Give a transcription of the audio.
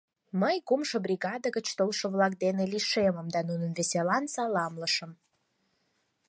Мый кумшо бригаде гыч толшо-влак деке лишемым да нуным веселан саламлышым.